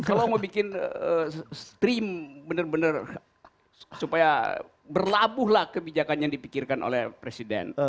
kalau mau bikin stream bener bener supaya berlabuh lah kebijakan yang dipikirkan oleh presiden